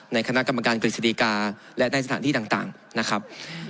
ในคณะกรรมการกฤษฎีกาและในสถานที่ต่างนะครับ